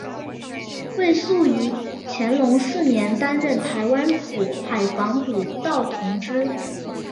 魏素于乾隆四年担任台湾府海防补盗同知。